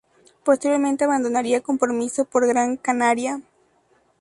Posteriormente abandonaría Compromiso por Gran Canaria.